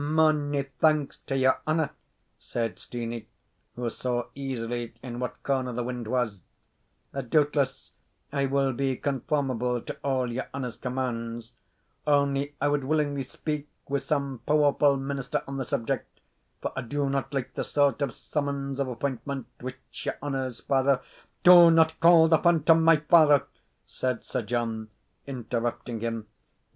"Mony thanks to your honour," said Steenie, who saw easily in what corner the wind was; "doubtless I will be conformable to all your honour's commands; only I would willingly speak wi' some powerful minister on the subject, for I do not like the sort of soumons of appointment whilk your honour's father " "Do not call the phantom my father!" said Sir John, interrupting him.